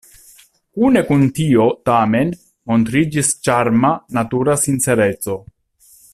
Kune kun tio, tamen, montriĝis ĉarma, natura sincereco.